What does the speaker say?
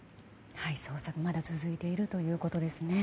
捜索は、まだ続いているということですね。